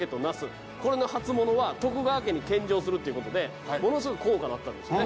これの初物は徳川家に献上するっていうことでものすごい高価だったんですよ。